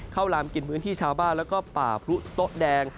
ลามกินพื้นที่ชาวบ้านแล้วก็ป่าพลุโต๊ะแดง